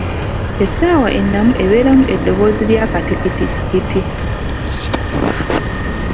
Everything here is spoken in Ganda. Essaawa ennamu ebeeramu eddoboozi ly'akatikitiki.